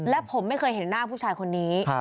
และผมไม่เคยเห็นหน้าผู้ชายคนนี้